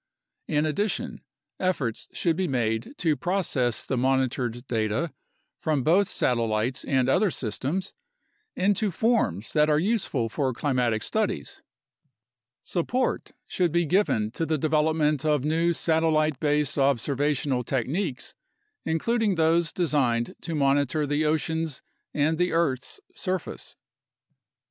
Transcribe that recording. In addition, efforts should be made to process the monitored data from both satel lites and other systems into forms that are useful for climatic studies. Support should be given to the development of new satellite based ob A NATIONAL CLIMATIC RESEARCH PROGRAM 73 servational techniques, including those designed to monitor the oceans and the earth's surface.